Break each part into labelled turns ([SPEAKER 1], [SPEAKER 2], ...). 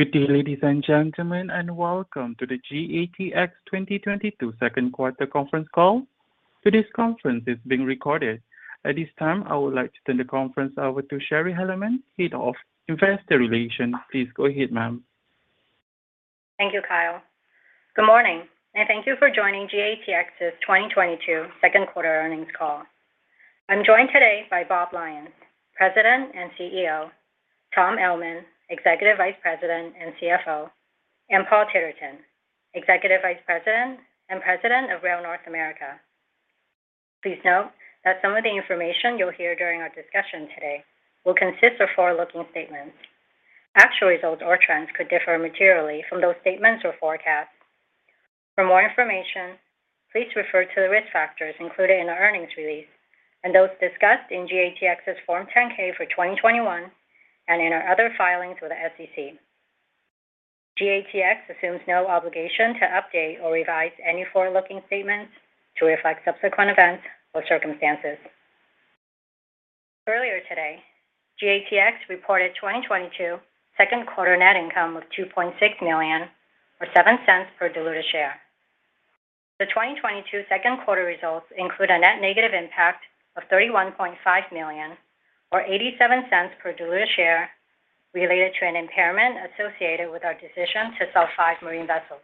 [SPEAKER 1] Good day, ladies and gentlemen, and welcome to the GATX 2022 second 1/4 conference call. Today's conference is being recorded. At this time, I would like to turn the conference over to Shari Hellerman, Head of Investor Relations. Please go ahead, ma'am.
[SPEAKER 2] Thank you, Kyle. Good morning, and thank you for joining GATX's 2022 second 1/4 earnings call. I'm joined today by Robert Lyons, President and CEO, Tom Ellman, Executive Vice President and CFO, and Paul Titterton, Executive Vice President and President of Rail North America. Please note that some of the information you'll hear during our discussion today will consist of Forward-Looking statements. Actual results or trends could differ materially from those statements or forecasts. For more information, please refer to the risk factors included in our earnings release and those discussed in GATX's Form 10-K for 2021 and in our other filings with the SEC. GATX assumes no obligation to update or revise any Forward-Looking statements to reflect subsequent events or circumstances. Earlier today, GATX reported 2022 second 1/4 net income of $2.6 million or $0.07 per diluted share. The 2022 second 1/4 results include a net negative impact of $31.5 million or $0.87 per diluted share related to an impairment associated with our decision to sell 5 marine vessels.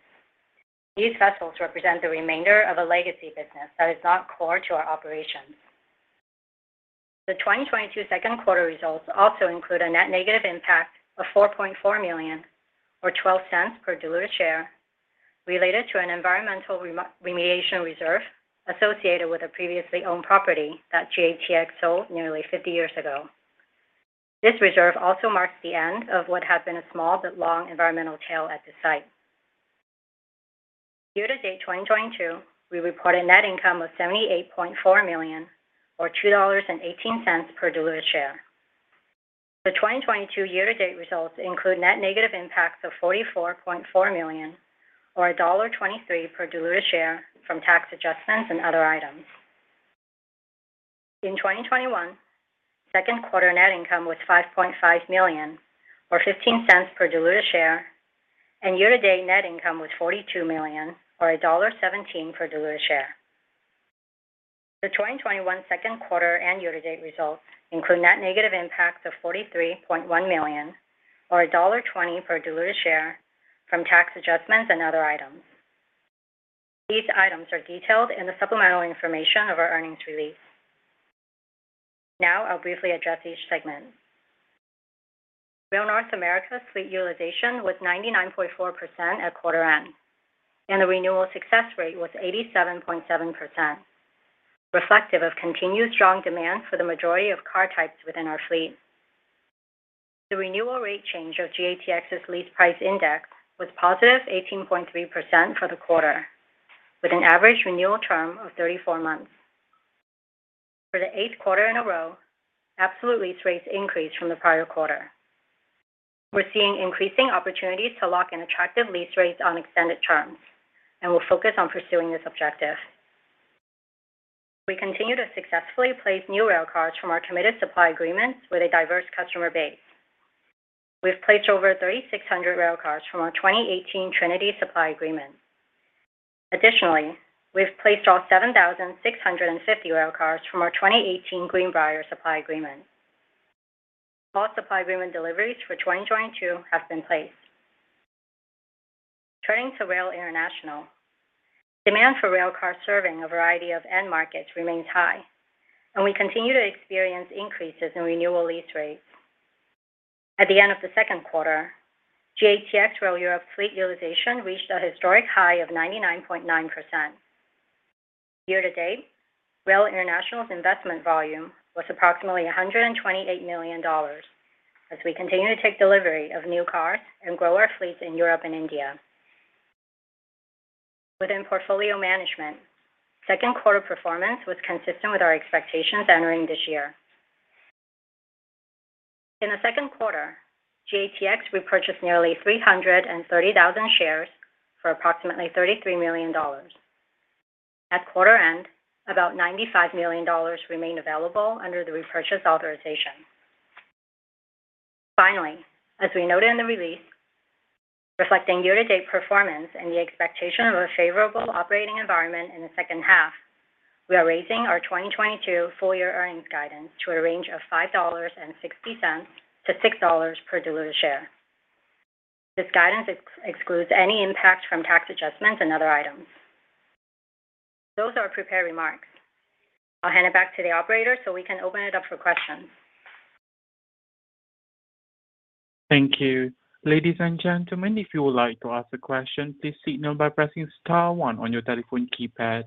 [SPEAKER 2] These vessels represent the remainder of a legacy business that is not core to our operations. The 2022 second 1/4 results also include a net negative impact of $4.4 million or $0.12 per diluted share related to an environmental remediation reserve associated with a previously owned property that GATX sold nearly fifty years ago. This reserve also marks the end of what had been a small but long environmental tail at the site. Year to date 2022, we reported net income of $78.4 million or $2.18 per diluted share. The 2022 Year-To-Date results include net negative impacts of $44.4 million or $1.23 per diluted share from tax adjustments and other items. In 2021, second 1/4 net income was $5.5 million or $0.15 per diluted share, and Year-To-Date net income was $42 million or $1.17 per diluted share. The 2021 second 1/4 and Year-to-date results include net negative impacts of $43.1 million or $1.20 per diluted share from tax adjustments and other items. These items are detailed in the supplemental information of our earnings release. Now I'll briefly address each segment. Rail North America fleet utilization was 99.4% at 1/4 end, and the renewal success rate was 87.7%, reflective of continued strong demand for the majority of car types within our fleet. The renewal rate change of GATX's Lease Price Index was positive 18.3% for the 1/4, with an average renewal term of 34 months. For the eighth 1/4 in a row, absolute lease rates increased from the prior 1/4. We're seeing increasing opportunities to lock in attractive lease rates on extended terms, and we'll focus on pursuing this objective. We continue to successfully place new railcars from our committed supply agreements with a diverse customer base. We've placed over 3,600 railcars from our 2018 Trinity supply agreement. Additionally, we've placed all 7,650 railcars from our 2018 Greenbrier supply agreement. All supply agreement deliveries for 2022 have been placed. Turning to Rail International, demand for railcars serving a variety of end markets remains high, and we continue to experience increases in renewal lease rates. At the end of the second 1/4, GATX Rail Europe fleet utilization reached a historic high of 99.9%. Year to date, Rail International's investment volume was approximately $128 million as we continue to take delivery of new cars and grow our fleets in Europe and India. Within portfolio management, second 1/4 performance was consistent with our expectations entering this year. In the second 1/4, GATX repurchased nearly 330,000 shares for approximately $33 million. At 1/4 end, about $95 million remained available under the repurchase authorization. Finally, as we noted in the release, reflecting Year-To-Date performance and the expectation of a favorable operating environment in the second 1/2, we are raising our 2022 full year earnings guidance to a range of $5.60-$6 per diluted share. This guidance excludes any impact from tax adjustments and other items. Those are our prepared remarks. I'll hand it back to the operator so we can open it up for questions.
[SPEAKER 1] Thank you. Ladies and gentlemen, if you would like to ask a question, please signal by pressing star one on your telephone keypad.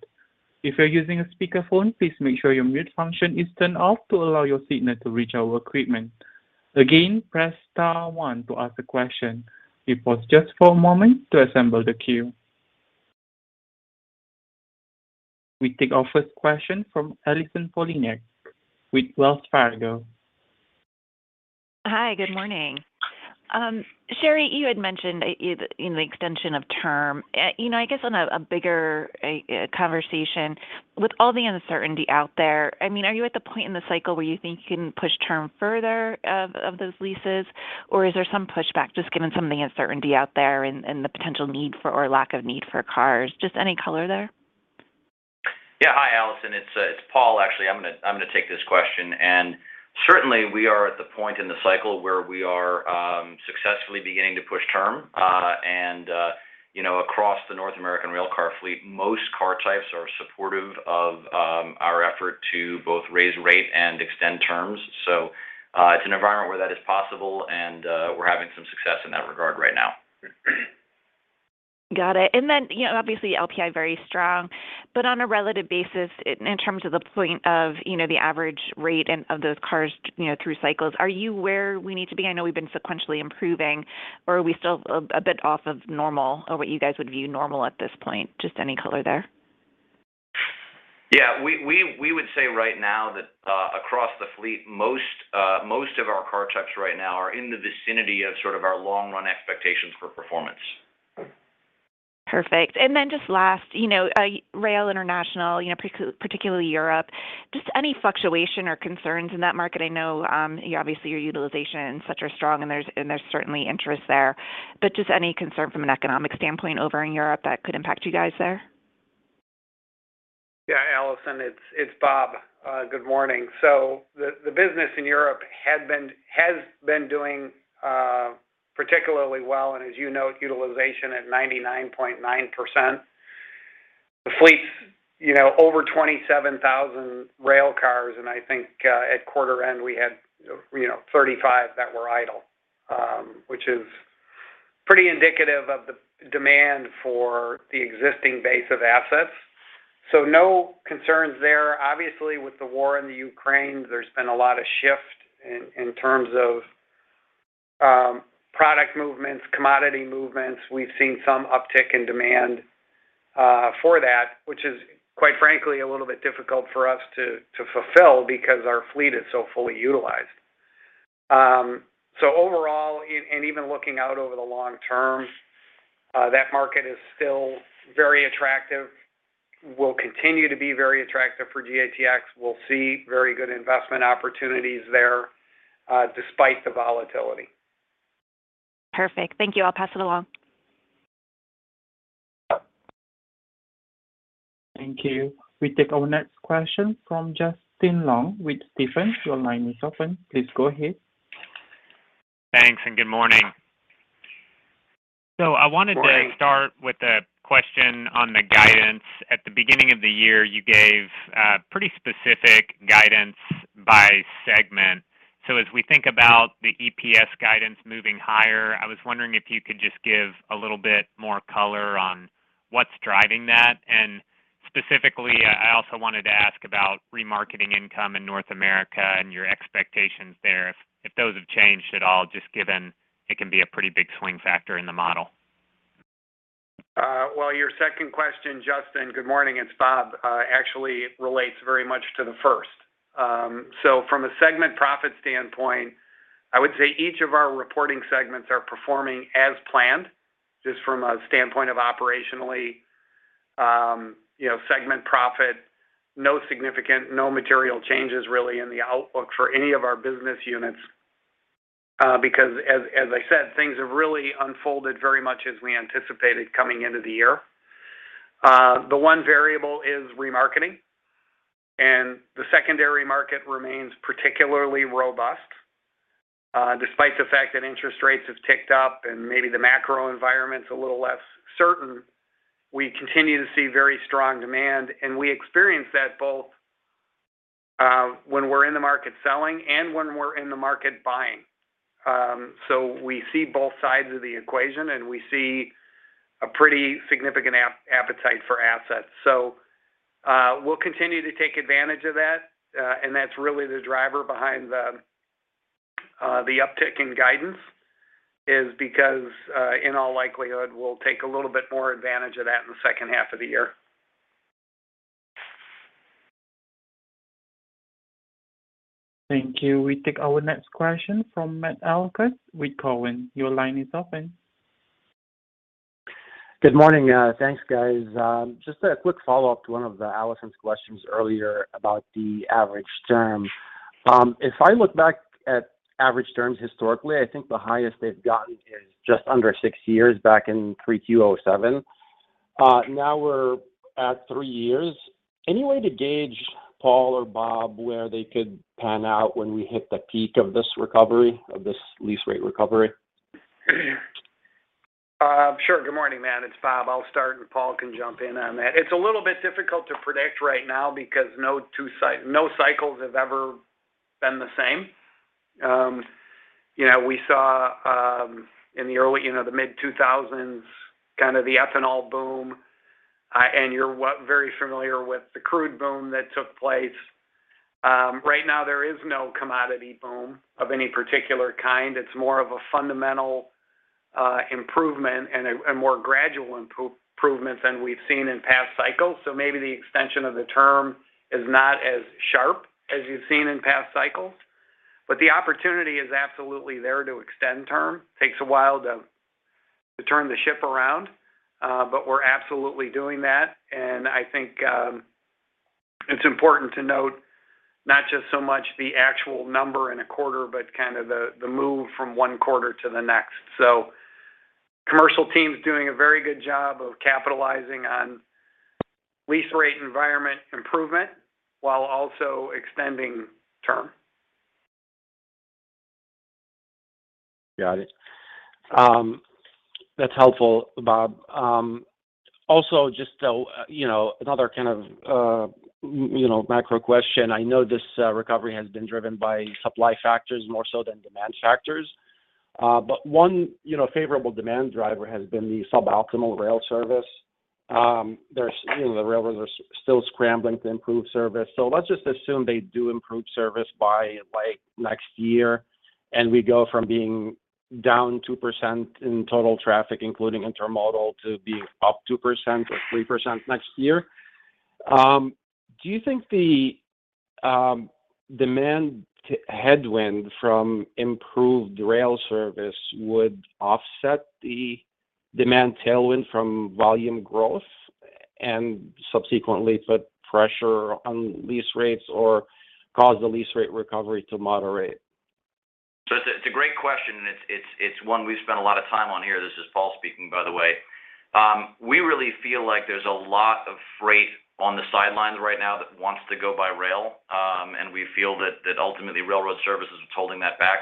[SPEAKER 1] If you're using a speakerphone, please make sure your mute function is turned off to allow your signal to reach our equipment. Again, press star one to ask a question. We pause just for a moment to assemble the queue. We take our first question from Allison Poliniak with Wells Fargo.
[SPEAKER 3] Hi. Good morning. Shari, you had mentioned, you know, the extension of term. You know, I guess on a bigger conversation, with all the uncertainty out there, I mean, are you at the point in the cycle where you think you can push term further of those leases, or is there some pushback just given some of the uncertainty out there and the potential need for or lack of need for cars? Just any color there?
[SPEAKER 4] Yeah. Hi, Allison. It's Paul Titterton, actually. I'm gonna take this question. Certainly, we are at the point in the cycle where we are successfully beginning to push term. You know, across the North American railcar fleet, most car types are supportive of our effort to both raise rate and extend terms. It's an environment where that is possible, and we're having some success in that regard right now.
[SPEAKER 3] Got it. You know, obviously LPI very strong, but on a relative basis, in terms of the point of, you know, the average rate and of those cars, you know, through cycles, are you where we need to be? I know we've been sequentially improving, or are we still a bit off of normal or what you guys would view normal at this point? Just any color there.
[SPEAKER 4] Yeah. We would say right now that across the fleet, most of our car types right now are in the vicinity of sort of our long run expectations for performance.
[SPEAKER 3] Perfect. Then just last, you know, GATX Rail International, you know, particularly Europe, just any fluctuation or concerns in that market? I know, obviously your utilization and such are strong, and there's certainly interest there. Just any concern from an economic standpoint over in Europe that could impact you guys there?
[SPEAKER 5] Yeah. Allison, it's Robert. Good morning. The business in Europe has been doing particularly well, and as you note, utilization at 99.9%. The fleet's, you know, over 27,000 rail cars, and I think at 1/4 end, we had, you know, 35 that were idle, which is pretty indicative of the demand for the existing base of assets. No concerns there. Obviously, with the war in Ukraine, there's been a lot of shift in terms of product movements, commodity movements. We've seen some uptick in demand for that, which is, quite frankly, a little bit difficult for us to fulfill because our fleet is so fully utilized. Overall, and even looking out over the long term, that market is still very attractive, will continue to be very attractive for GATX. We'll see very good investment opportunities there, despite the volatility.
[SPEAKER 3] Perfect. Thank you. I'll pass it along.
[SPEAKER 5] Yeah.
[SPEAKER 1] Thank you. We take our next question from Justin Long with Stephens. Your line is open. Please go ahead.
[SPEAKER 6] Thanks, and good morning.
[SPEAKER 5] Morning.
[SPEAKER 6] I wanted to start with a question on the guidance. At the beginning of the year, you gave pretty specific guidance by segment. As we think about the EPS guidance moving higher, I was wondering if you could just give a little bit more color on what's driving that. Specifically, I also wanted to ask about remarketing income in North America and your expectations there, if those have changed at all, just given it can be a pretty big swing factor in the model.
[SPEAKER 5] Well, your second question, Justin, good morning, it's Robert, actually relates very much to the first. From a segment profit standpoint, I would say each of our reporting segments are performing as planned, just from a standpoint of operationally, you know, segment profit, no significant, no material changes really in the outlook for any of our business units, because as I said, things have really unfolded very much as we anticipated coming into the year. The one variable is remarketing, and the secondary market remains particularly robust. Despite the fact that interest rates have ticked up and maybe the macro environment's a little less certain, we continue to see very strong demand, and we experience that both, when we're in the market selling and when we're in the market buying. We see both sides of the equation, and we see a pretty significant appetite for assets. We'll continue to take advantage of that, and that's really the driver behind the uptick in guidance, is because in all likelihood, we'll take a little bit more advantage of that in the second 1/2 of the year.
[SPEAKER 1] Thank you. We take our next question from Matt Elkott with Cowen. Your line is open.
[SPEAKER 7] Good morning. Thanks, guys. Just a quick Follow-Up to one of the Allison's [Poliniak] questions earlier about the average term. If I look back at average terms historically, I think the highest they've gotten is just under 6 years back in pre-2007. Now we're at 3 years. Any way to gauge, Paul or Robert, where they could pan out when we hit the peak of this recovery, of this lease rate recovery?
[SPEAKER 5] Sure. Good morning, Matt. It's Robert. I'll start, and Paul can jump in on that. It's a little bit difficult to predict right now because no 2 cycles have ever been the same. You know, we saw in the mid-2000s kind of the ethanol boom, and you're very familiar with the crude boom that took place. Right now, there is no commodity boom of any particular kind. It's more of a fundamental improvement and a more gradual improvement than we've seen in past cycles. Maybe the extension of the term is not as sharp as you've seen in past cycles. The opportunity is absolutely there to extend term. Takes a while to turn the ship around, but we're absolutely doing that. I think, it's important to note not just so much the actual number in a 1/4, but kind of the move from one 1/4 to the next. Commercial team's doing a very good job of capitalizing on lease rate environment improvement while also extending term.
[SPEAKER 7] Got it. That's helpful, Robert. Also, just, you know, another kind of, you know, macro question. I know this recovery has been driven by supply factors more so than demand factors. One, you know, favorable demand driver has been the suboptimal rail service. There's, you know, the railroads are still scrambling to improve service. Let's just assume they do improve service by, like, next year, and we go from being down 2% in total traffic, including intermodal, to being up 2% or 3% next year. Do you think the demand headwind from improved rail service would offset the demand tailwind from volume growth and subsequently put pressure on lease rates or cause the lease rate recovery to moderate?
[SPEAKER 4] It's a great question, and it's one we've spent a lot of time on here. This is Paul speaking, by the way. We really feel like there's a lot of freight on the sidelines right now that wants to go by rail, and we feel that ultimately railroad services is holding that back.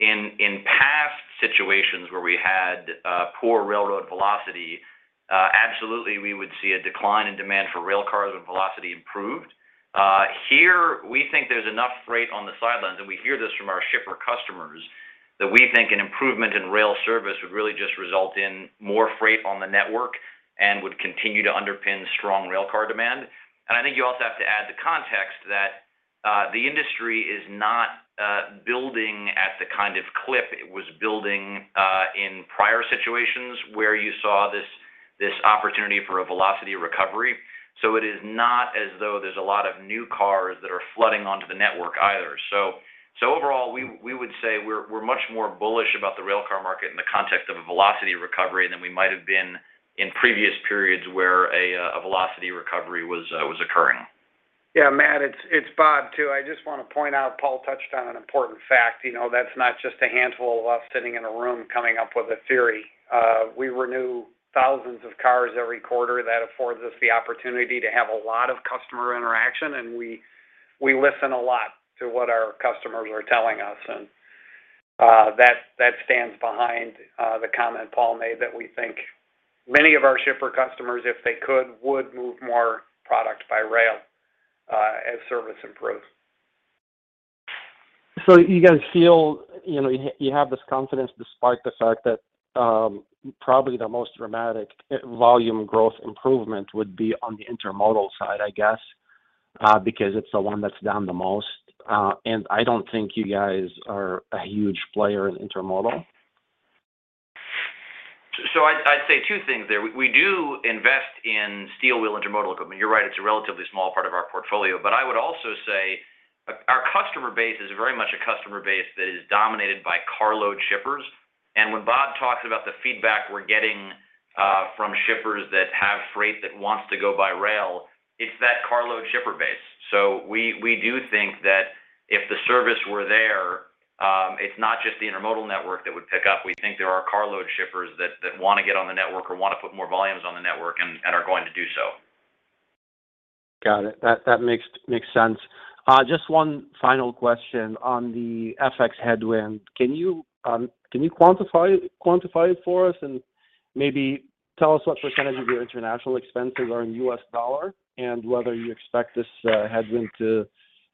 [SPEAKER 4] In past situations where we had poor railroad velocity, absolutely we would see a decline in demand for rail cars when velocity improved. Here we think there's enough freight on the sidelines, and we hear this from our shipper customers, that we think an improvement in rail service would really just result in more freight on the network and would continue to underpin strong rail car demand. I think you also have to add the context that the industry is not building at the kind of clip it was building in prior situations where you saw this opportunity for a velocity recovery. So it is not as though there's a lot of new railcars that are flooding onto the network either. So overall we would say we're much more bullish about the railcar market in the context of a velocity recovery than we might have been in previous periods where a velocity recovery was occurring.
[SPEAKER 5] Yeah, Matt, it's Robert too. I just wanna point out, Paul touched on an important fact, you know. That's not just a handful of us sitting in a room coming up with a theory. We renew thousands of cars every 1/4. That affords us the opportunity to have a lot of customer interaction, and we listen a lot to what our customers are telling us, and that stands behind the comment Paul made that we think many of our shipper customers, if they could, would move more product by rail as service improves.
[SPEAKER 7] You guys feel, you know, you have this confidence despite the fact that probably the most dramatic volume growth improvement would be on the intermodal side, I guess, because it's the one that's down the most. I don't think you guys are a huge player in intermodal.
[SPEAKER 4] I'd say 2 things there. We do invest in steel wheel intermodal equipment. You're right, it's a relatively small part of our portfolio. I would also say our customer base is very much a customer base that is dominated by carload shippers. When Robert talks about the feedback we're getting from shippers that have freight that wants to go by rail, it's that carload shipper base. We do think that if the service were there, it's not just the intermodal network that would pick up. We think there are carload shippers that wanna get on the network or wanna put more volumes on the network and are going to do so.
[SPEAKER 7] Got it. That makes sense. Just one final question on the FX headwind. Can you quantify it for us and maybe tell us what percentage of your international expenses are in U.S. dollar and whether you expect this headwind to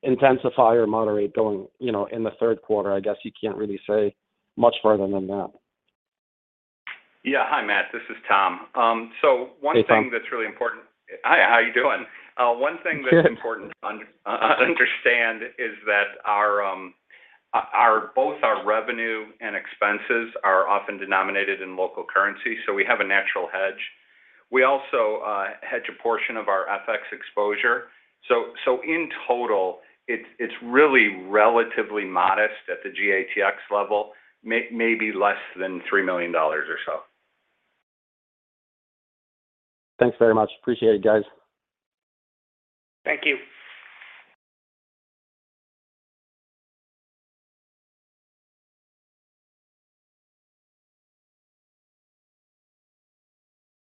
[SPEAKER 7] intensify or moderate going, you know, in the 1/3 1/4? I guess you can't really say much further than that.
[SPEAKER 8] Yeah. Hi, Matt, this is Tom. One thing-
[SPEAKER 7] Hey, Tom.
[SPEAKER 8] That's really important. Hi, how you doing? One thing that's important to understand is that both our revenue and expenses are often denominated in local currency, so we have a natural hedge. We also hedge a portion of our FX exposure. So in total, it's really relatively modest at the GATX level. Maybe less than $3 million or so.
[SPEAKER 7] Thanks very much. Appreciate it, guys.
[SPEAKER 8] Thank you.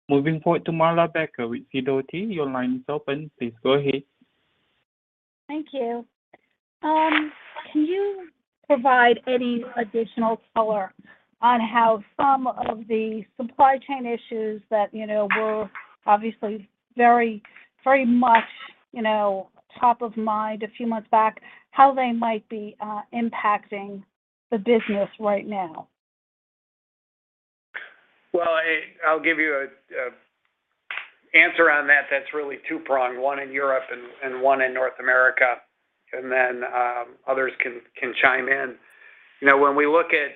[SPEAKER 1] Moving forward to Marla Becker with KeyBanc. Your line is open. Please go ahead.
[SPEAKER 9] Thank you. Can you provide any additional color on how some of the supply chain issues that, you know, were obviously very, very much, you know, top of mind a few months back, how they might be impacting the business right now?
[SPEAKER 5] Well, I'll give you an answer on that that's really 2-Pronged, one in Europe and one in North America, and then others can chime in. You know, when we look at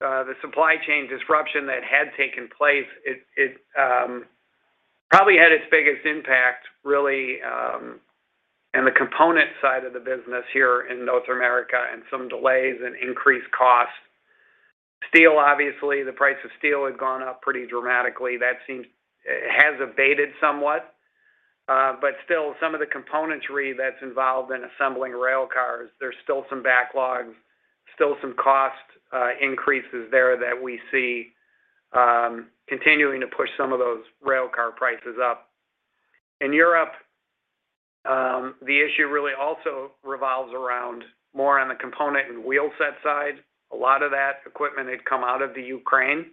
[SPEAKER 5] the supply chain disruption that had taken place, it probably had its biggest impact really in the component side of the business here in North America and some delays and increased costs. Steel, obviously, the price of steel has gone up pretty dramatically. That seems it has abated somewhat. But still, some of the components that's involved in assembling rail cars, there's still some backlogs, still some cost increases there that we see continuing to push some of those rail car prices up. In Europe, the issue really also revolves around more on the component and wheel set side. A lot of that equipment had come out of the Ukraine,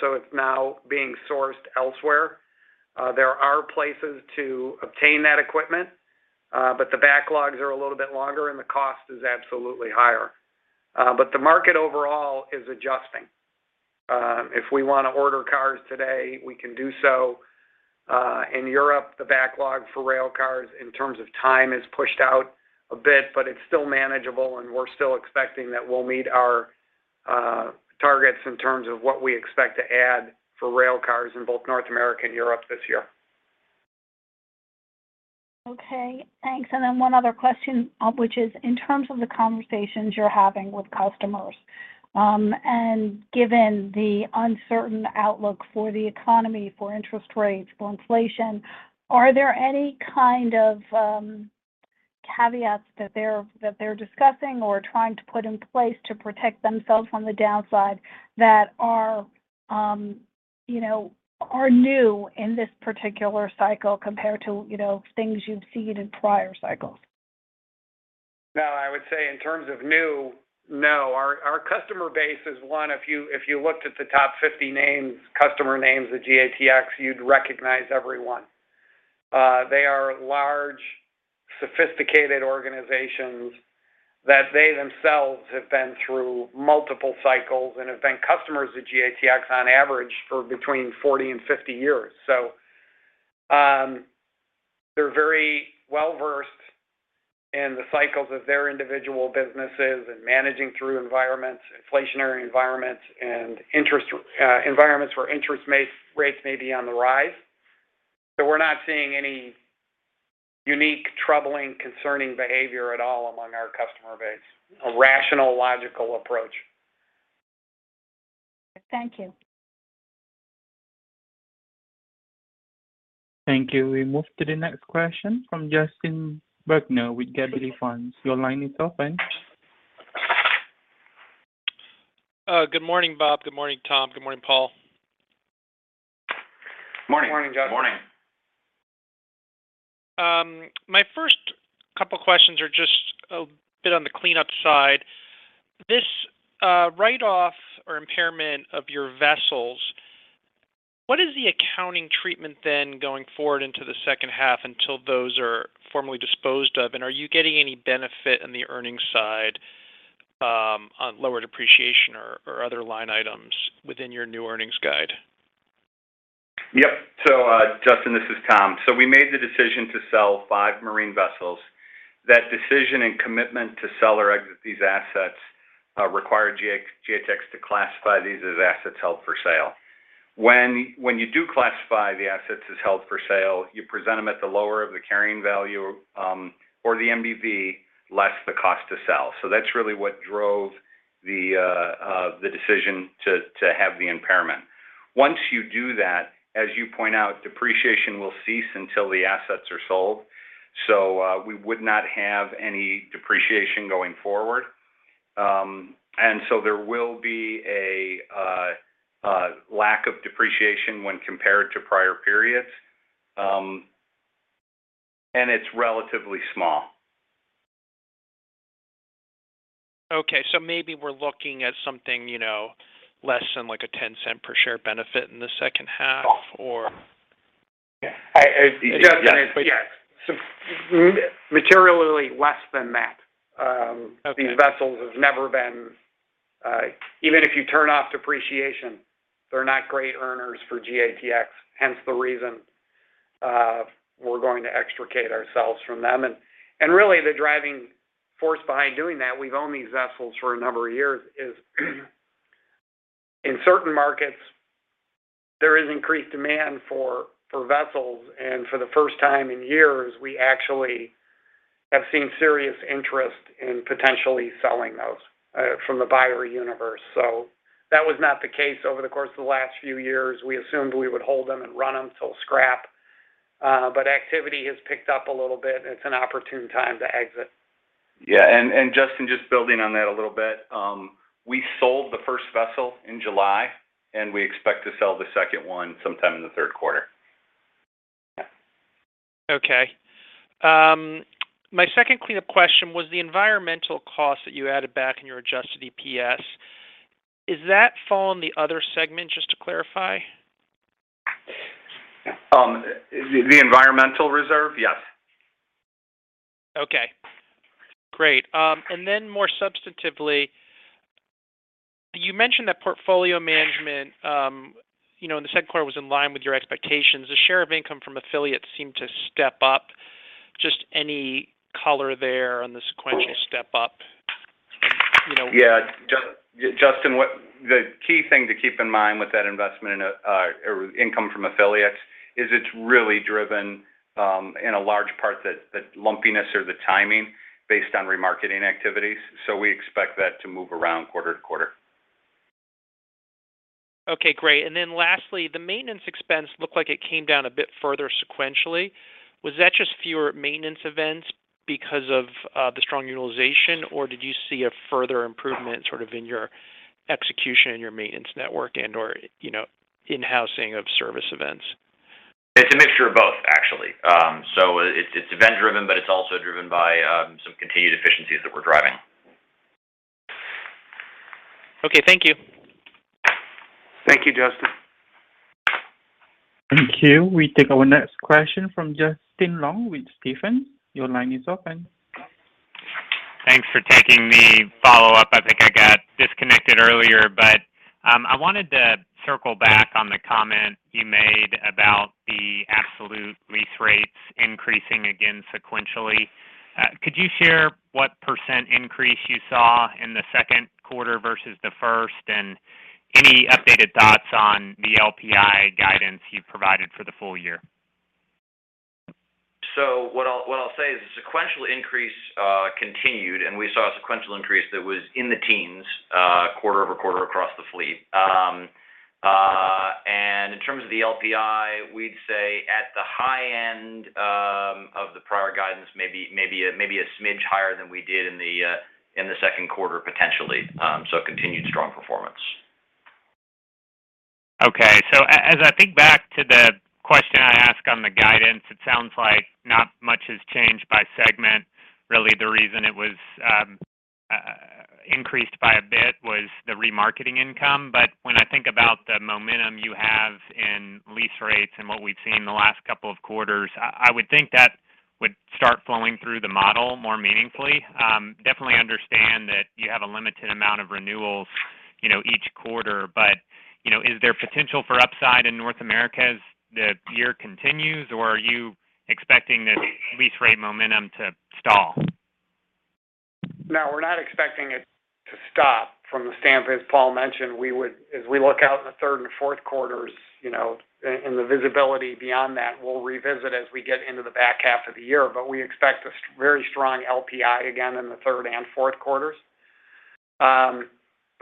[SPEAKER 5] so it's now being sourced elsewhere. There are places to obtain that equipment, but the backlogs are a little bit longer, and the cost is absolutely higher. The market overall is adjusting. If we want to order cars today, we can do so. In Europe, the backlog for rail cars in terms of time is pushed out a bit, but it's still manageable, and we're still expecting that we'll meet our targets in terms of what we expect to add for rail cars in both North America and Europe this year.
[SPEAKER 9] Okay, thanks. One other question, which is, in terms of the conversations you're having with customers, and given the uncertain outlook for the economy, for interest rates, for inflation, are there any kind of caveats that they're discussing or trying to put in place to protect themselves on the downside that are, you know, are new in this particular cycle compared to things you've seen in prior cycles?
[SPEAKER 5] No, I would say in terms of new, no. Our customer base is one, if you looked at the top 50 names, customer names at GATX, you'd recognize everyone. They are large, sophisticated organizations that they themselves have been through multiple cycles and have been customers of GATX on average for between 40 and 50 years. They're Very Well-Versed in the cycles of their individual businesses and managing through environments, inflationary environments, and interest environments where interest rates may be on the rise. We're not seeing any unique, troubling, concerning behavior at all among our customer base. A rational, logical approach.
[SPEAKER 9] Thank you.
[SPEAKER 1] Thank you. We move to the next question from Justin Bergner with Gabelli Funds. Your line is open.
[SPEAKER 10] Good morning, Robert. Good morning, Tom. Good morning, Paul.
[SPEAKER 5] Morning.
[SPEAKER 9] Morning, Justin.
[SPEAKER 6] Morning.
[SPEAKER 10] My first couple questions are just a bit on the cleanup side. This Write-Off or impairment of your vessels, what is the accounting treatment then going forward into the second 1/2 until those are formally disposed of? Are you getting any benefit in the earnings side, on lower depreciation or other line items within your new earnings guide?
[SPEAKER 8] Yep. Justin, this is Tom. We made the decision to sell 5 marine vessels. That decision and commitment to sell or exit these assets require GATX to classify these as assets held for sale. When you do classify the assets as held for sale, you present them at the lower of the carrying value or the FMV less the cost to sell. That's really what drove the decision to have the impairment. Once you do that, as you point out, depreciation will cease until the assets are sold. We would not have any depreciation going forward. There will be a lack of depreciation when compared to prior periods, and it's relatively small.
[SPEAKER 10] Okay, maybe we're looking at something, you know, less than like a $0.10 per share benefit in the second 1/2 or?
[SPEAKER 5] Yeah. Justin, yes. Materially less than that.
[SPEAKER 10] Okay.
[SPEAKER 5] Even if you turn off depreciation, they're not great earners for GATX, hence the reason we're going to extricate ourselves from them. Really the driving force behind doing that, we've owned these vessels for a number of years, is in certain markets, there is increased demand for vessels, and for the first time in years, we actually have seen serious interest in potentially selling those from the buyer universe. That was not the case over the course of the last few years. We assumed we would hold them and run them till scrap. Activity has picked up a little bit, and it's an opportune time to exit.
[SPEAKER 8] Justin, just building on that a little bit, we sold the first vessel in July, and we expect to sell the second one sometime in the 1/3 1/4.
[SPEAKER 10] Okay. My second cleanup question was the environmental cost that you added back in your adjusted EPS. Does that fall in the other segment, just to clarify?
[SPEAKER 8] The environmental reserve? Yes.
[SPEAKER 10] Okay. Great. More substantively, you mentioned that portfolio management, you know, in the second 1/4 was in line with your expectations. The share of income from affiliates seemed to step up. Just any color there on the sequential step up?
[SPEAKER 8] Yeah. Justin, the key thing to keep in mind with that investment in or income from affiliates is it's really driven in a large part the lumpiness or the timing based on remarketing activities. We expect that to move around 1/4 to 1/4.
[SPEAKER 10] Okay, great. Lastly, the maintenance expense looked like it came down a bit further sequentially. Was that just fewer maintenance events because of the strong utilization, or did you see a further improvement sort of in your execution in your maintenance network and/or, you know, in-housing of service events?
[SPEAKER 8] It's a mixture of both, actually. It's event-driven, but it's also driven by some continued efficiencies that we're driving.
[SPEAKER 10] Okay. Thank you.
[SPEAKER 5] Thank you, Justin.
[SPEAKER 1] Thank you. We take our next question from Justin Long with Stephens. Your line is open.
[SPEAKER 6] Thanks for taking the Follow-Up. I think I got disconnected earlier. I wanted to circle back on the comment you made about the absolute lease rates increasing again sequentially. Could you share what percent increase you saw in the second 1/4 versus the first, and any updated thoughts on the LPI guidance you provided for the full year?
[SPEAKER 4] What I'll say is the sequential increase continued, and we saw a sequential increase that was in the teens quarter-over-quarter across the fleet. In terms of the LPI, we'd say at the high end of the prior guidance, maybe a smidge higher than we did in the second 1/4, potentially. Continued strong performance.
[SPEAKER 6] Okay. As I think back to the question I asked on the guidance, it sounds like not much has changed by segment. Really, the reason it was increased by a bit was the remarketing income. When I think about the momentum you have in lease rates and what we've seen in the last couple of quarters, I would think that would start flowing through the model more meaningfully. Definitely understand that you have a limited amount of renewals, you know, each 1/4. You know, is there potential for upside in North America as the year continues, or are you expecting this lease rate momentum to stall?
[SPEAKER 5] No, we're not expecting it to stop from the standpoint, as Paul mentioned, as we look out in the 1/3 and fourth quarters, you know, and the visibility beyond that, we'll revisit as we get into the back 1/2 of the year. We expect a very strong LPI again in the 1/3 and fourth quarters.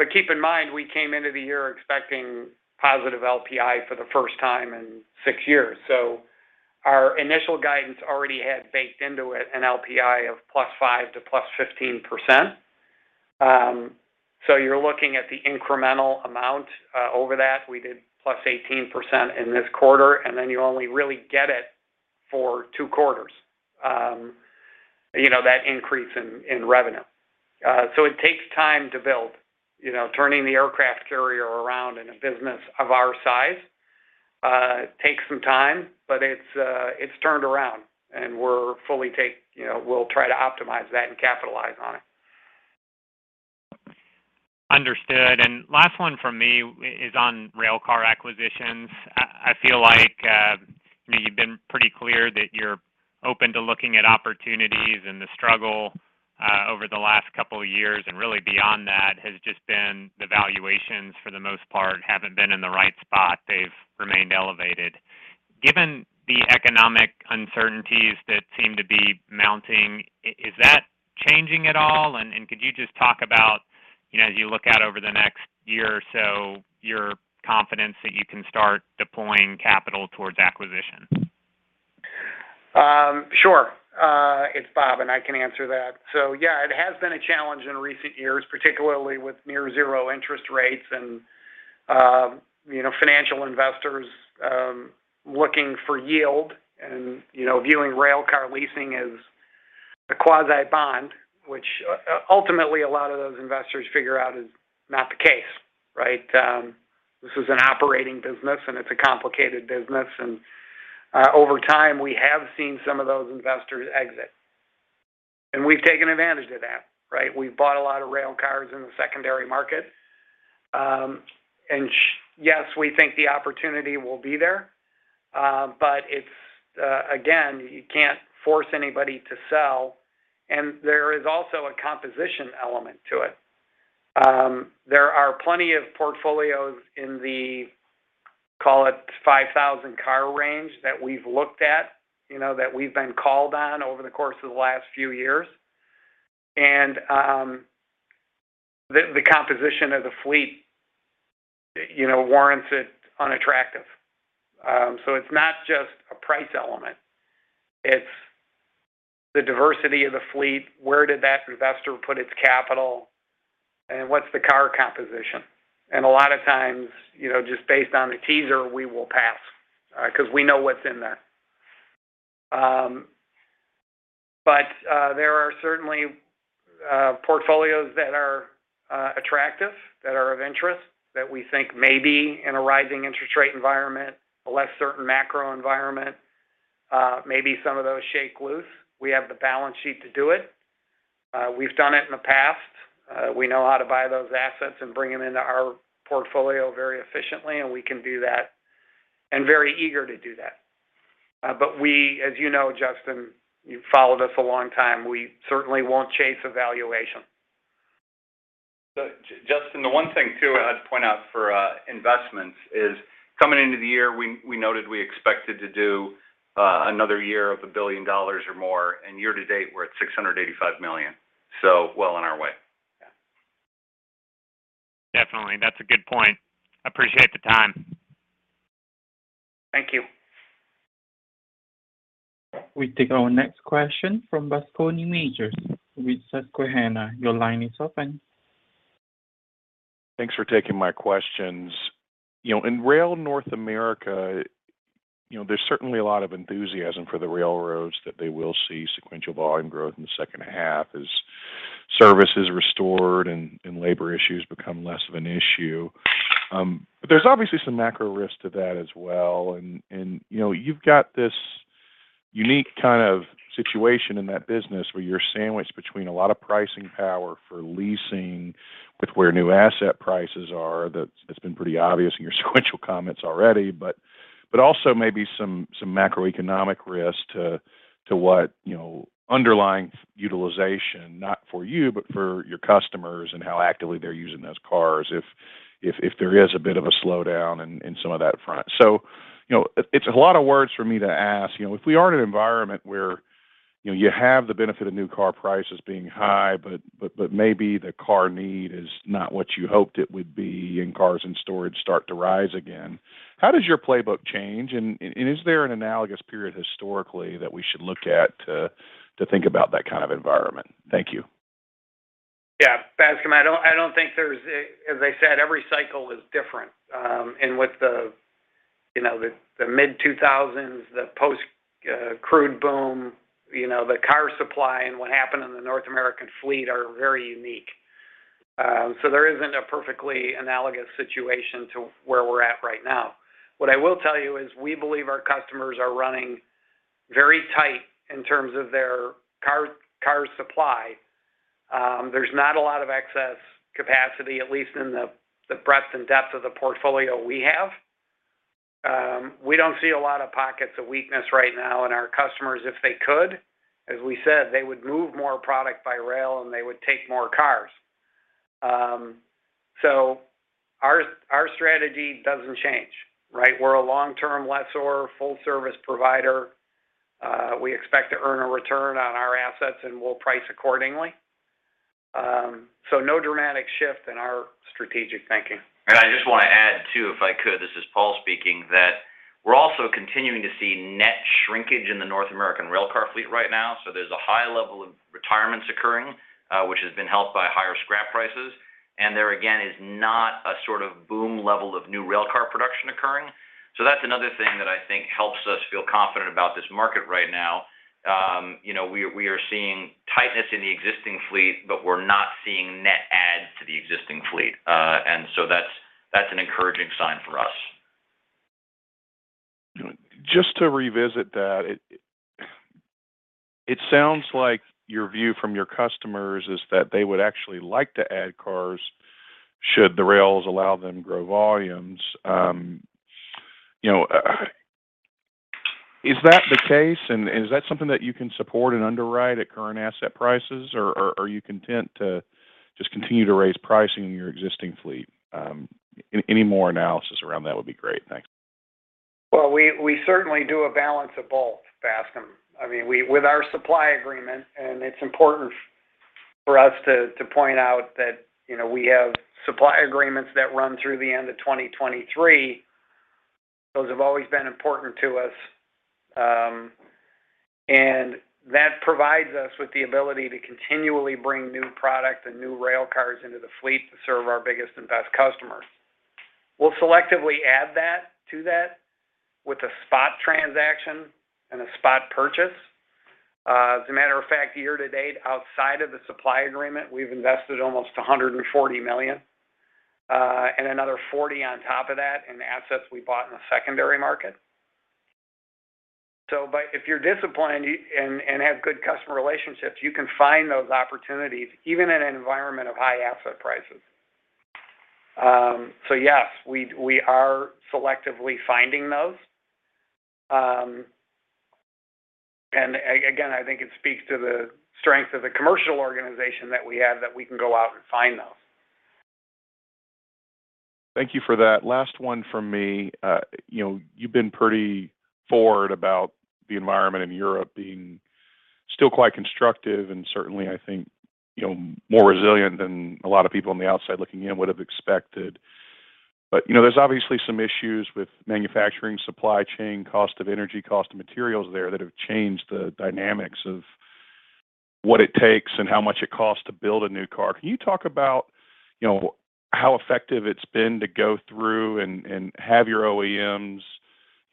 [SPEAKER 5] Keep in mind, we came into the year expecting positive LPI for the first time in 6 years. Our initial guidance already had baked into it an LPI of +5%-+15%. You're looking at the incremental amount over that. We did +18% in this 1/4, and then you only really get it for 2 quarters, that increase in revenue. It takes time to build, you know, turning the aircraft carrier around in a business of our size takes some time, but it's turned around and, you know, we'll try to optimize that and capitalize on it.
[SPEAKER 6] Understood. Last one from me is on railcar acquisitions. I feel like, you know, you've been pretty clear that you're open to looking at opportunities and the struggle over the last couple of years, and really beyond that, has just been the valuations for the most part, haven't been in the right spot. They've remained elevated. Given the economic uncertainties that seem to be mounting, is that changing at all? Could you just talk about, you know, as you look out over the next year or so, your confidence that you can start deploying capital towards acquisition?
[SPEAKER 5] Sure. It's Robert, and I can answer that. Yeah, it has been a challenge in recent years, particularly with near zero interest rates and, you know, financial investors, looking for yield and, you know, viewing railcar leasing as a quasi bond, which, ultimately a lot of those investors figure out is not the case, right? This is an operating business and it's a complicated business. Over time, we have seen some of those investors exit, and we've taken advantage of that, right? We've bought a lot of railcars in the secondary market. Yes, we think the opportunity will be there, but it's, again, you can't force anybody to sell, and there is also a composition element to it. There are plenty of portfolios in the, call it 5,000-car range that we've looked at, you know, that we've been called on over the course of the last few years. The composition of the fleet, you know, warrants it unattractive. It's not just a price element, it's the diversity of the fleet. Where did that investor put its capital? What's the car composition? A lot of times, you know, just based on the teaser, we will pass, because we know what's in there. There are certainly portfolios that are attractive, that are of interest that we think may be in a rising interest rate environment, a less certain macro environment, maybe some of those shake loose. We have the balance sheet to do it. We've done it in the past. We know how to buy those assets and bring them into our portfolio very efficiently, and we can do that and very eager to do that. We, as you know, Justin, you've followed us a long time, we certainly won't chase a valuation.
[SPEAKER 4] Justin, the one thing too I'd point out for investments is coming into the year, we noted we expected to do another year of $1 billion or more, and year to date, we're at $685 million.
[SPEAKER 5] Well on our way.
[SPEAKER 4] Yeah. Definitely. That's a good point. Appreciate the time.
[SPEAKER 5] Thank you.
[SPEAKER 1] We take our next question from Bascome Majors with Susquehanna. Your line is open.
[SPEAKER 11] Thanks for taking my questions. You know, in Rail North America, you know, there's certainly a lot of enthusiasm for the railroads that they will see sequential volume growth in the second 1/2 as service is restored and labor issues become less of an issue. There's obviously some macro risk to that as well. You know, you've got this unique kind of situation in that business where you're sandwiched between a lot of pricing power for leasing with where new asset prices are. That's been pretty obvious in your sequential comments already, but also maybe some macroeconomic risk to what, you know, underlying utilization, not for you, but for your customers and how actively they're using those cars if there is a bit of a slowdown in some of that front. You know, it's a lot of words for me to ask, you know, if we are in an environment where, you know, you have the benefit of new car prices being high, but maybe the car need is not what you hoped it would be and cars and storage start to rise again, how does your playbook change? Is there an analogous period historically that we should look at to think about that kind of environment? Thank you.
[SPEAKER 5] Yeah. Bascome, I don't think there's, as I said, every cycle is different. With the, you know, the mid-2000s, the Post-Crude boom, you know, the car supply and what happened in the North American fleet are very unique. There isn't a perfectly analogous situation to where we're at right now. What I will tell you is we believe our customers are running very tight in terms of their car supply. There's not a lot of excess capacity, at least in the breadth and depth of the portfolio we have. We don't see a lot of pockets of weakness right now in our customers. If they could, as we said, they would move more product by rail, and they would take more cars. Our strategy doesn't change, right? We're a Long-Term lessor, full service provider. We expect to earn a return on our assets, and we'll price accordingly. No dramatic shift in our strategic thinking.
[SPEAKER 4] I just want to add too, if I could, this is Paul speaking, that we're also continuing to see net shrinkage in the North American rail car fleet right now. There's a high level of retirements occurring, which has been helped by higher scrap prices. There again is not a sort of boom level of new rail car production occurring. That's another thing that I think helps us feel confident about this market right now. You know, we are seeing tightness in the existing fleet, but we're not seeing net adds to the existing fleet. That's an encouraging sign for us.
[SPEAKER 11] Just to revisit that. It sounds like your view from your customers is that they would actually like to add cars should the rails allow them to grow volumes. You know, is that the case? Is that something that you can support and underwrite at current asset prices or are you content to just continue to raise pricing in your existing fleet? Any more analysis around that would be great. Thanks.
[SPEAKER 5] Well, we certainly do a balance of both, Bascome. I mean, with our supply agreement, and it's important for us to point out that, you know, we have supply agreements that run through the end of 2023. Those have always been important to us. That provides us with the ability to continually bring new product and new rail cars into the fleet to serve our biggest and best customers. We'll selectively add to that with a spot transaction and a spot purchase. As a matter of fact, year to date, outside of the supply agreement, we've invested almost $140 million, and another $40 on top of that in assets we bought in the secondary market. If you're disciplined and have good customer relationships, you can find those opportunities even in an environment of high asset prices. Yes, we are selectively finding those. I think it speaks to the strength of the commercial organization that we have, that we can go out and find those.
[SPEAKER 11] Thank you for that. Last one from me. You know, you've been pretty forward about the environment in Europe being still quite constructive and certainly, I think, you know, more resilient than a lot of people on the outside looking in would've expected. You know, there's obviously some issues with manufacturing, supply chain, cost of energy, cost of materials there that have changed the dynamics of what it takes and how much it costs to build a new car. Can you talk about, you know, how effective it's been to go through and have your OEMs,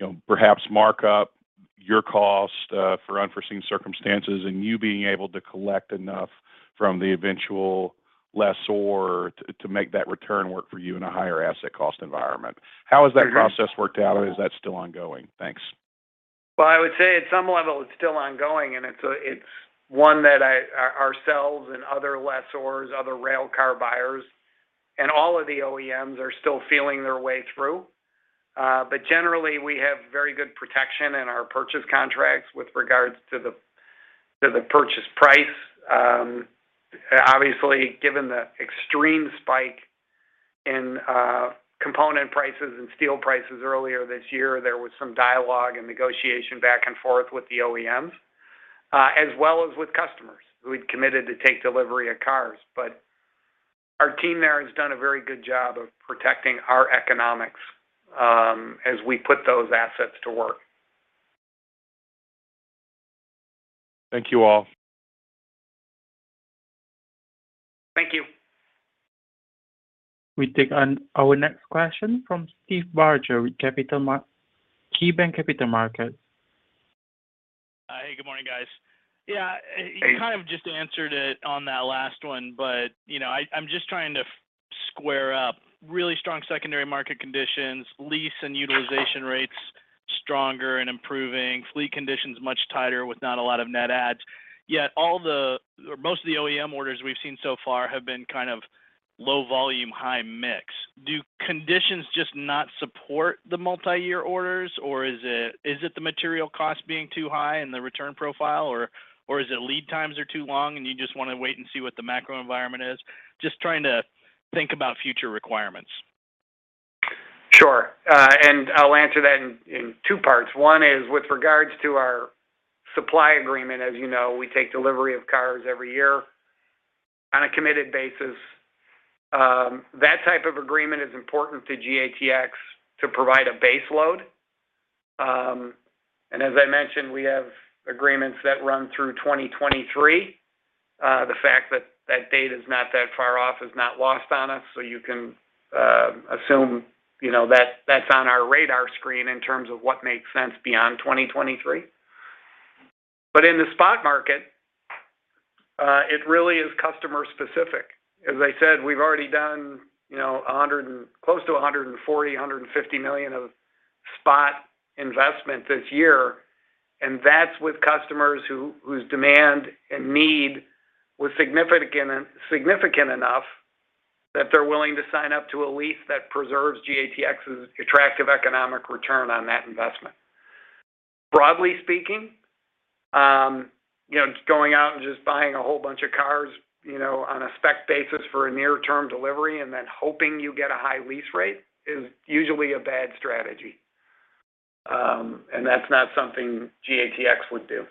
[SPEAKER 11] you know, perhaps mark up your cost for unforeseen circumstances and you being able to collect enough from the eventual lessor to make that return work for you in a higher asset cost environment? How has that process worked out or is that still ongoing? Thanks.
[SPEAKER 5] Well, I would say at some level it's still ongoing, and it's one that ourselves and other lessors, other railcar buyers, and all of the OEMs are still feeling their way through. Generally, we have very good protection in our purchase contracts with regards to the purchase price. Obviously, given the extreme spike in component prices and steel prices earlier this year, there was some dialogue and negotiation back and forth with the OEMs, as well as with customers who had committed to take delivery of cars. Our team there has done a very good job of protecting our economics, as we put those assets to work.
[SPEAKER 11] Thank you all.
[SPEAKER 5] Thank you.
[SPEAKER 1] We take on our next question from Steve Barger with KeyBanc Capital Markets.
[SPEAKER 12] Hey, good morning, guys. Yeah.
[SPEAKER 5] Hey.
[SPEAKER 12] You kind of just answered it on that last one, but, you know, I'm just trying to square up really strong secondary market conditions, lease and utilization rates stronger and improving, fleet conditions much tighter with not a lot of net adds. Yet all or most of the OEM orders we've seen so far have been kind of low volume, high mix. Do conditions just not support the multiyear orders, or is it the material cost being too high and the return profile, or is it lead times are too long, and you just wanna wait and see what the macro environment is? Just trying to think about future requirements.
[SPEAKER 5] Sure. I'll answer that in 2 parts. One is with regards to our supply agreement. As you know, we take delivery of cars every year on a committed basis. That type of agreement is important to GATX to provide a base load. As I mentioned, we have agreements that run through 2023. The fact that that date is not that far off is not lost on us, so you can assume, you know, that that's on our radar screen in terms of what makes sense beyond 2023. In the spot market, it really is customer specific. As I said, we've already done, you know, close to $140 million-$150 million of spot investment this year, and that's with customers whose demand and need was significant enough that they're willing to sign up to a lease that preserves GATX's attractive economic return on that investment. Broadly speaking, you know, going out and just buying a whole bunch of cars, you know, on a spec basis for a near-term delivery and then hoping you get a high lease rate is usually a bad strategy. That's not something GATX would do.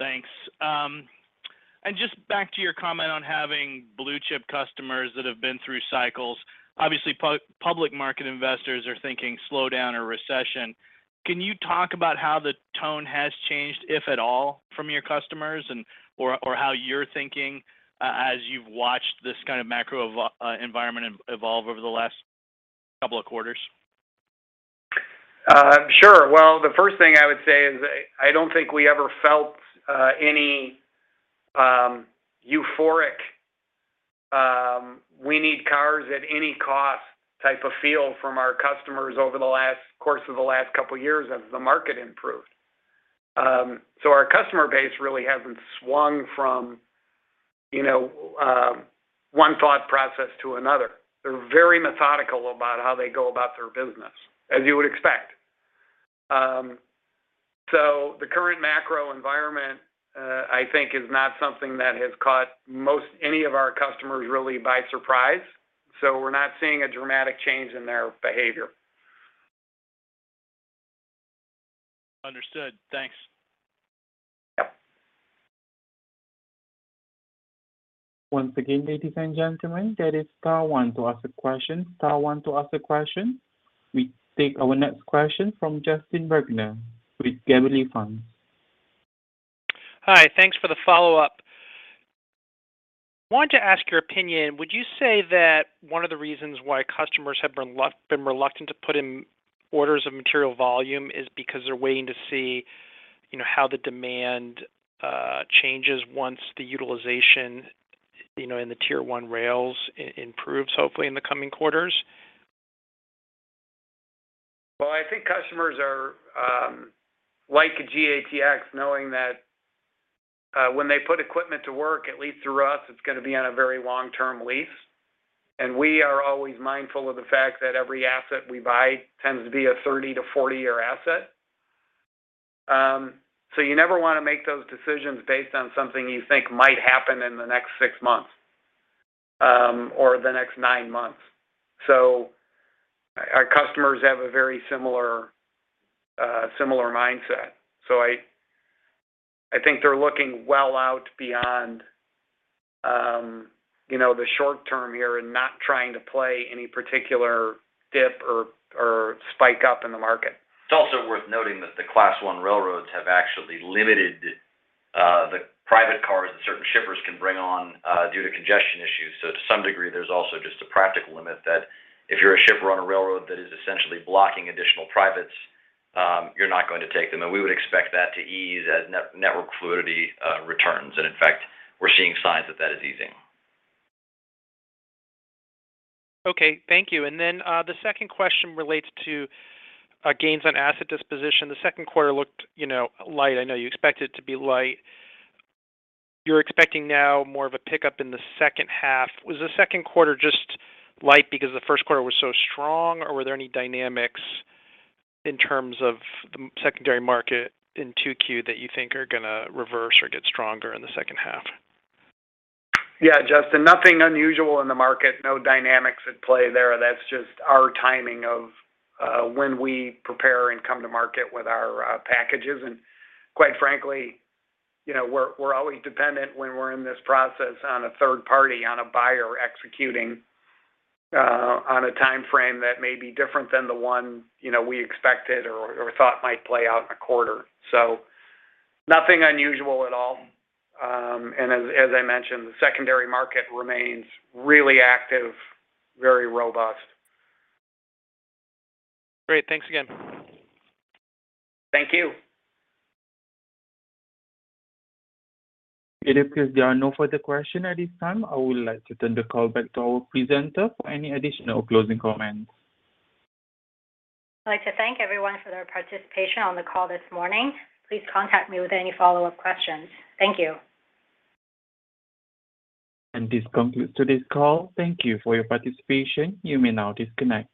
[SPEAKER 12] Great. Thanks. Just back to your comment on having blue-chip customers that have been through cycles. Obviously, public market investors are thinking slowdown or recession. Can you talk about how the tone has changed, if at all, from your customers or how you're thinking, as you've watched this kind of macro environment evolve over the last couple of quarters?
[SPEAKER 5] Sure. Well, the first thing I would say is I don't think we ever felt any euphoric we-need-cars-at-any-cost type of feel from our customers over the course of the last couple years as the market improved. Our customer base really hasn't swung from, you know, one thought process to another. They're very methodical about how they go about their business, as you would expect. The current macro environment, I think, is not something that has caught most any of our customers really by surprise, so we're not seeing a dramatic change in their behavior.
[SPEAKER 12] Understood. Thanks.
[SPEAKER 5] Yep.
[SPEAKER 1] Once again, ladies and gentlemen, that is star one to ask a question, star one to ask a question. We take our next question from Justin Bergner with Gabelli Funds.
[SPEAKER 10] Hi. Thanks for the Follow-Up. Wanted to ask your opinion, would you say that one of the reasons why customers have been reluctant to put in orders of material volume is because they're waiting to see, you know, how the demand changes once the utilization, you know, in the Tier 1 rails improves hopefully in the coming quarters?
[SPEAKER 5] Well, I think customers are like GATX, knowing that when they put equipment to work, at least through us, it's gonna be on a very Long-Term lease. We are always mindful of the fact that every asset we buy tends to be a 30- to 40-year asset. You never wanna make those decisions based on something you think might happen in the next 6 months or the next 9 months. Our customers have a very similar mindset. I think they're looking well out beyond you know, the short term here and not trying to play any particular dip or spike up in the market.
[SPEAKER 4] It's also worth noting that the Class I railroads have actually limited the private cars that certain shippers can bring on due to congestion issues. To some degree, there's also just a practical limit that if you're a shipper on a railroad that is essentially blocking additional privates, you're not going to take them. We would expect that to ease as net-network fluidity returns. In fact, we're seeing signs that that is easing.
[SPEAKER 10] Okay. Thank you. The second question relates to gains on asset disposition. The second 1/4 looked, you know, light. I know you expect it to be light. You're expecting now more of a pickup in the second 1/2. Was the second 1/4 just light because the first 1/4 was so strong, or were there any dynamics in terms of the secondary market in 2Q that you think are gonna reverse or get stronger in the second 1/2?
[SPEAKER 5] Yeah. Justin, nothing unusual in the market, no dynamics at play there. That's just our timing of when we prepare and come to market with our packages. Quite frankly, you know, we're always dependent when we're in this process on a 1/3 party, on a buyer executing on a timeframe that may be different than the one, you know, we expected or thought might play out in a 1/4. Nothing unusual at all. As I mentioned, the secondary market remains really active, very robust.
[SPEAKER 10] Great. Thanks again.
[SPEAKER 5] Thank you.
[SPEAKER 1] It appears there are no further questions at this time. I would like to turn the call back to our presenter for any additional closing comments.
[SPEAKER 2] I'd like to thank everyone for their participation on the call this morning. Please contact me with any Follow-Up questions. Thank you.
[SPEAKER 1] This concludes today's call. Thank you for your participation. You may now disconnect.